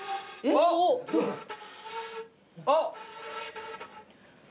あっ！